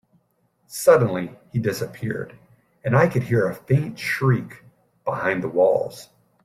Suddenly, he disappeared, and I could hear a faint shriek behind the walls.